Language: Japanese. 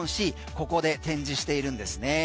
ここで展示しているんですね。